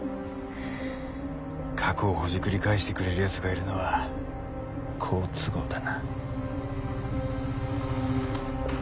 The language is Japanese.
過去をほじくり返してくれる奴がいるのは好都合だな。